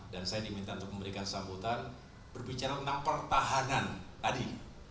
dan saya diminta untuk memberikan sambutan berbicara tentang pertahanan tadi